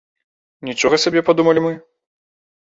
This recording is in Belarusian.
Нічога сабе, падумалі мы.